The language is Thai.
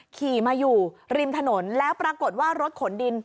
ขี่มาอยู่ริมถนนแล้วปรากฏว่ารถขนดิน